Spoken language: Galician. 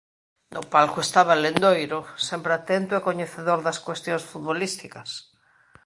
No palco estaba Lendoiro, sempre atento e coñecedor das cuestións futbolísticas.